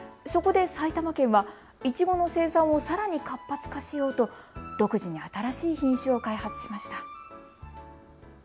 そこで埼玉県がいちごの生産をさらに活発化しようと独自に新しい品種を開発しました。